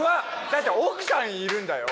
だって奥さんいるんだよ？